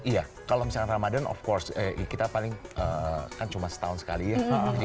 iya kalau misalnya ramadan of course kita paling kan cuma setahun sekali ya